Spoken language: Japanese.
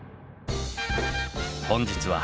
本日は。